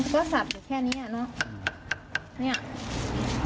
ก็สับอยู่แค่นี้อะเนาะ